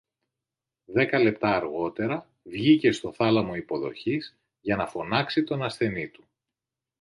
Δέκα λεπτά αργότερα βγήκε στο θάλαμο υποδοχής για να φωνάξει τον ασθενή του